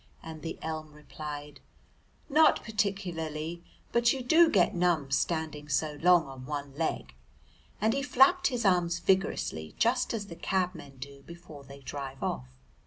and the elm replied, "Not particularly, but you do get numb standing so long on one leg," and he flapped his arms vigorously just as the cabmen do before they drive off.